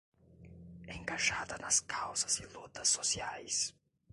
Engajada nas causas e lutas sociais